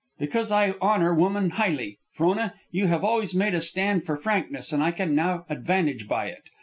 "Because I honor woman highly. Frona, you have always made a stand for frankness, and I can now advantage by it.